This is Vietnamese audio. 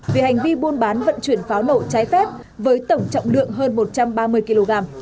vì hành vi buôn bán vận chuyển pháo nổ trái phép với tổng trọng lượng hơn một trăm ba mươi kg